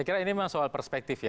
tapi radikal yang mana barangkali